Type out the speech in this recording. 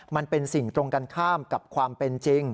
มันเป็นสิ่งตรงกันข้ามกับความเป็นจริง